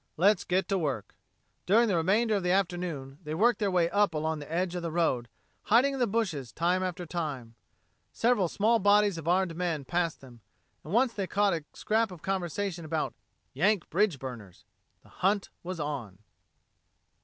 "Let's get to work." During the remainder of the afternoon they worked their way up along the edge of the road, hiding in the bushes time after time. Several small bodies of armed men passed them, and once they caught a scrap of conversation about "Yank bridge burners." The hunt was on.